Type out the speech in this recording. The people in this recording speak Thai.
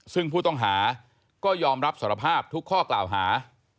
ซึ่งผู้ต้องหาก็ยอมรับสารภาพทุกข้อกล่าวหา